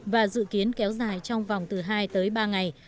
và dự kiến kéo dài trong vòng từ hai tới ba ngày